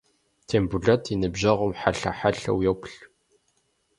Тембулэт и ныбжьэгъум хьэлъэ-хьэлъэу йоплъ.